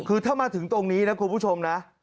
คือถ้ามาถึงตรงนี้นะคุณผู้ชมนะ